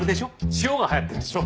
塩が流行ってるんでしょ？